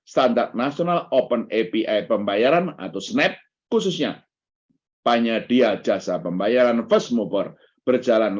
standar nasional open api pembayaran atau snap khususnya panyadi al jaza pembayaran versmover berjalan